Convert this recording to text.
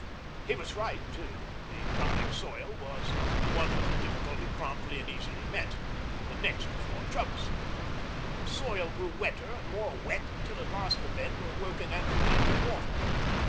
He was right, too. The crumbling soil was one little difficulty promptly and easily met. The next was more troublesome. The soil grew wetter and more wet until at last the men were working ankle deep in water.